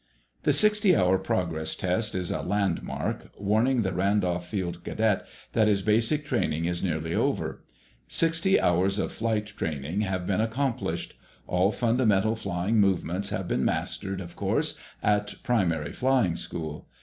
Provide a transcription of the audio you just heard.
The sixty hour progress test is a landmark, warning the Randolph Field Cadet that his basic training is nearly over. Sixty hours of flight training have been accomplished. All fundamental flying movements have been mastered, of course, at primary flying school.